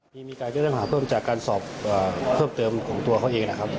ต้องตอบสวนเบื้องต้นดิ